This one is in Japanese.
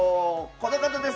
この方です。